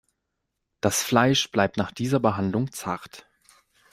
Das Fleisch bleibt nach dieser Behandlung zart.